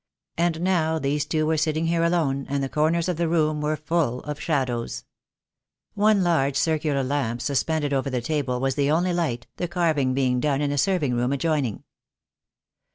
And now these two were sitting here alone, and the corners of the room were full of shadows. One large circular lamp suspended over the table was the only light, the carving being done in a serving room adjoining.